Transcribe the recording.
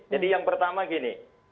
jadi yang pertama gini